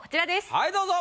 はいどうぞ。